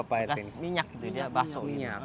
bekas minyak itu dia baso